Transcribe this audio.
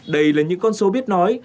đây là những con số biết nói